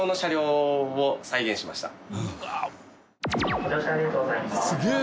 ご乗車ありがとうございます。